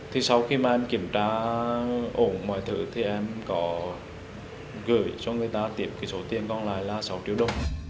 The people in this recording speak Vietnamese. thì sau khi mà em kiểm tra ổn mọi thứ thì em có gửi cho người ta tiệm cái số tiền còn lại là sáu triệu đồng